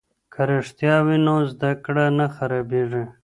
که رښتیا وي نو زده کړه نه خرابیږي.